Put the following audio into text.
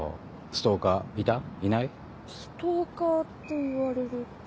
ストーカーっていわれると。